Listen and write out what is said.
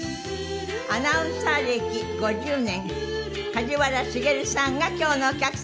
アナウンサー歴５０年梶原しげるさんが今日のお客様です。